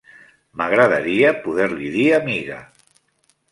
M'agradaria poder-li dir amiga.